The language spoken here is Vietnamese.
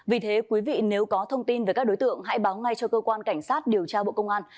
vì thế quý vị nếu có thông tin về các đối tượng hãy báo ngay cho cơ quan cảnh sát điều tra bộ công an